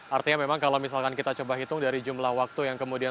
artinya memang kalau misalkan kita coba hitung dari jumlah waktu yang kemudian